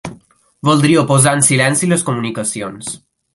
Voldria posar en silenci les comunicacions.